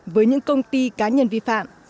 với những công ty cá nhân vi phạm